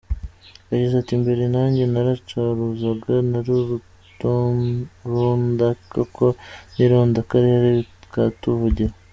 Yagize ati “Mbere nanjye naracuruzaga ariko irondakoko n’irondakarere bikatuvangira.